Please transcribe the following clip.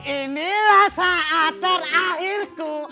inilah saat terakhirku